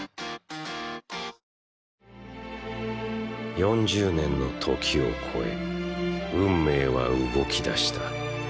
４０年の時を超え運命は動きだした。